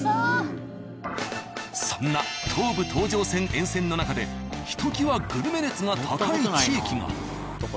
そんな東武東上線沿線の中でひときわグルメ熱が高い地域が。